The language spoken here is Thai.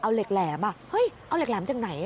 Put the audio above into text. อ้วเล็กแหลมอ่ะเฮ้ยเอาเล็กแหลมจากไหน